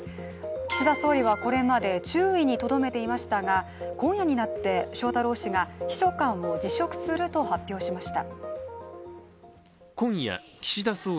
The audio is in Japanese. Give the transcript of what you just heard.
岸田総理はこれまで注意にとどめていましたが今夜になって翔太郎氏が秘書官を辞職すると発表しました。